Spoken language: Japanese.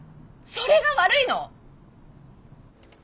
それが悪いの！？